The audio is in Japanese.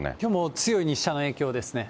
強い日射の影響ですね。